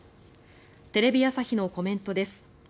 テレビ朝日のコメントです。